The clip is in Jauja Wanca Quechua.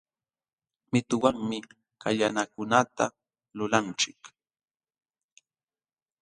Mituwanmi kallanakunata lulanchik